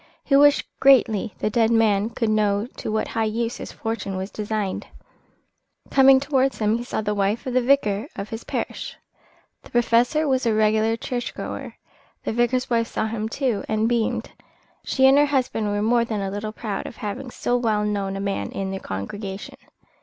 He wished greatly the dead man could know to what high use his fortune was designed. Coming towards him he saw the wife of the vicar of his parish. The Professor was a regular church goer. The vicar's wife saw him, too, and beamed. She and her husband were more than a little proud of having so well known a man in their congregation.